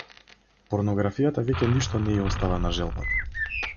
Порнографијата веќе ништо не ѝ остава на желбата.